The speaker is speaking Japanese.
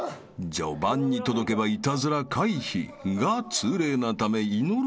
［序盤に届けばイタズラ回避が通例なため祈る